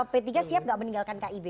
p tiga siap nggak meninggalkan kib